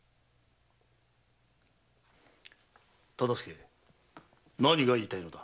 忠相何が言いたいのだ？